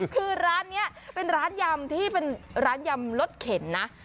คือร้านนี้เป็นร้านยำที่เป็นร้านยำรสเข็นนะ